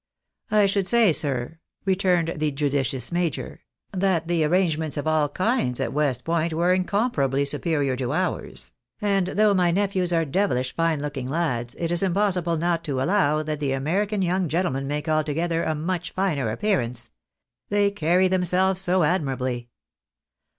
" I should say, sir," returned the judicious major, " that the arrangements of all kinds at West Point were incomparably superior to ours ; and though my nephews are deviUsh fine looking lads, it is impossible not to allow that the American young gentlemen make altogether a much finer appearance. They carry themselves so admirably."